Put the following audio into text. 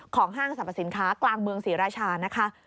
ห้างสรรพสินค้ากลางเมืองศรีราชานะคะ